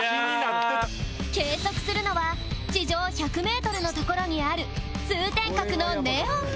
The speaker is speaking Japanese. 計測するのは地上１００メートルの所にある通天閣のネオン